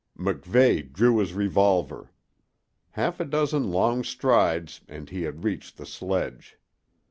MacVeigh drew his revolver. Half a dozen long strides and he had reached the sledge.